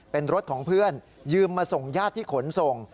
เป็นรถของเพื่อนยืมมาส่งญาติที่ขนส่ง